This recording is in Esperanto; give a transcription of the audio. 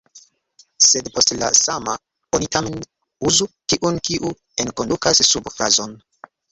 Sed post “la sama” oni tamen uzu kiun, kiu enkondukas subfrazon.